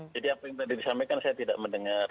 jadi apa yang tadi disampaikan saya tidak mendengar